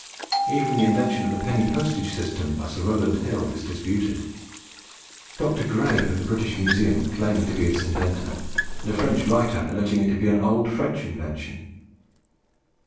Even the invention of the penny postage system by Sir Rowland Hill is disputed; Dr. Gray of the British Museum claiming to be its inventor, and a French writer alleging it to be an old French invention.